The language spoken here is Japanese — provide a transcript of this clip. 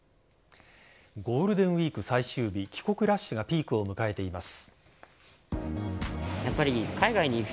ゴールデンウイーク最終日帰国ラッシュがピークを迎えています。